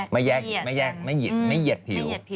ไม่แยกไม่เย็ดผิว